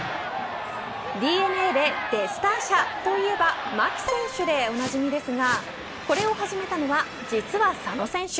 ＤｅＮＡでデスターシャといえば牧選手でおなじみですがこれを始めたのは実は佐野選手。